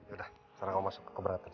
udah sekarang kamu masuk ke keberatan